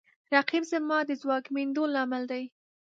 رقیب زما د ځواکمنېدو لامل دی